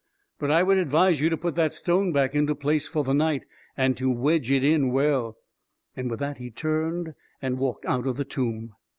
But I would advise you to put that stone back into place for the night — and to wedge it in well !" And with that he turned and walked out of the tomb.